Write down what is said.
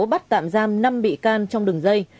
bắt tạm giam năm bị can trong đường dây